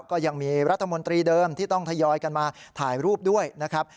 ก็ยังมีรัฐมนตรีเดิมที่ต้องทยอยกันมาถ่ายรูปด้วยนะครับ